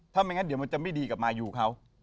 ถ้าไม่งั้นเดี๋ยวมันจะไม่ดีกับมายูเขา